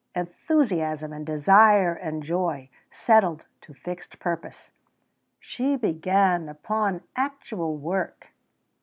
Enthusiasm and desire and joy settled to fixed purpose. She began upon actual work.